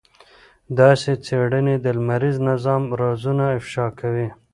داسې څېړنې د لمریز نظام رازونه افشا کوي.